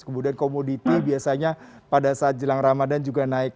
kemudian komoditi biasanya pada saat jelang ramadan juga naik